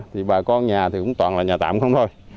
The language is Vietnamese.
thì bà con nhà thì cũng toàn là nhà tạm không thôi